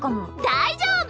大丈夫！